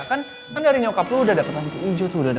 kan dari nyokap lu udah dapet hantu hijau tuh